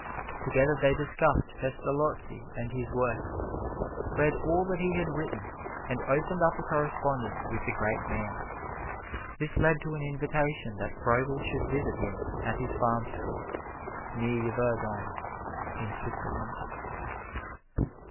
Together they discussed Pestalozzi and his works, read all that he had written, and opened up a correspondence with the great man. This led to an invitation that Froebel should visit him at his farm school, near Yverdon, in Switzerland.